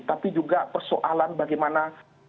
tapi juga persoalan bagaimana